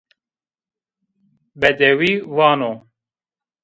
Bedewî vano